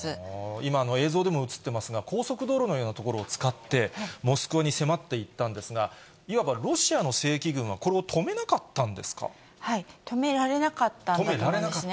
今、映像でも映っていますが、高速道路のような所を使って、モスクワに迫っていったんですが、いわばロシアの正規軍は、これを止めな止められなかったんだと思うんですね。